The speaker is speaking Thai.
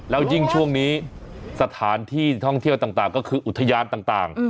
แล้วยิ่งช่วงนี้สถานที่ท่องเที่ยวต่างก็คืออุทยานต่าง